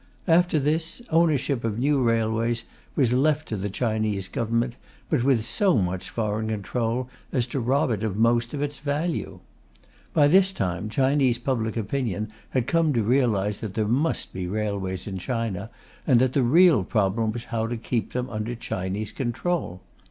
After this, ownership of new railways was left to the Chinese Government, but with so much foreign control as to rob it of most of its value. By this time, Chinese public opinion had come to realize that there must be railways in China, and that the real problem was how to keep them under Chinese control.